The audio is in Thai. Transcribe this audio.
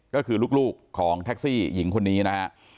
ก็คือลูกของแท็กซี่หญิงคนนี้นะฮะ